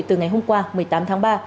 từ ngày hôm qua một mươi tám tháng ba